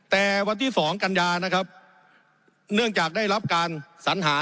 แต่วันที่๒กันยานะครับเนื่องจากได้รับการสัญหา